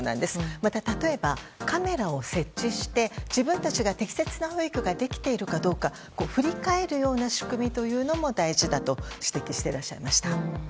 また、例えばカメラを設置して自分たちが適切な保育ができているかどうか振り返るような仕組みというのも大事だと指摘していらっしゃいました。